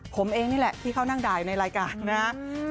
ผมเองนี่แหละที่เขานั่งด่ายในรายการนะครับ